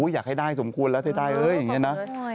อยากให้ได้สมควรแล้วถ้าได้อย่างนี้นะ